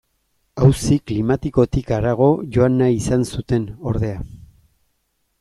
Auzi klimatikotik harago joan nahi izan zuten, ordea.